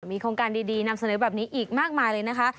มีโครงการดีนำเสนอแบบนี้อีกมากมายเลยนะคะ